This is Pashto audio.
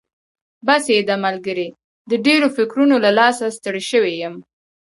بس یې ده ملګري، د ډېرو فکرونو له لاسه ستړی شوی یم.